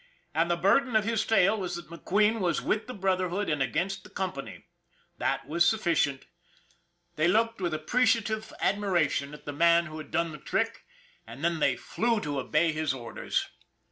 And the burden of his tale was that McQueen was with the Brotherhood and against the company. Jhat was sufficient. They looked with appreciative 286 ON THE IRON AT BIG CLOUD admiration at the man who had done the trick, and then they flew to obey his orders.